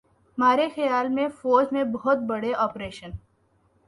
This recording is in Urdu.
مارے خیال میں فوج میں بہت بڑے آپریشن